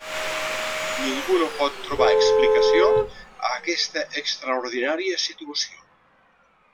Ningú no pot trobar explicació a aquesta extraordinària situació.